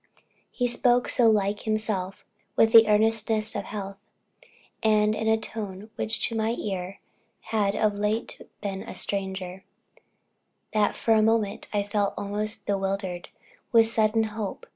He spoke so like himself with the earnestness of health, and in a tone to which my ear had of late been a stranger, that for a moment I felt almost bewildered with sudden hope.